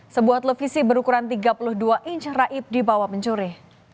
sebuah televisi berukuran tiga puluh dua inch raib dibawa pencuri